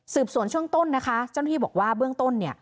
ส่วนช่วงต้นนะคะเจ้าหน้าที่บอกว่าเบื้องต้นเนี่ย